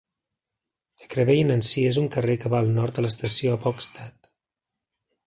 Ekraveien en si és un carrer que va al nord de l'estació a Bogstad.